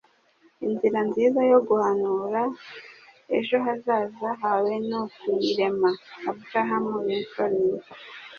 Inzira nziza yo guhanura ejo hazaza hawe ni ukuyirema.” - Abraham Lincoln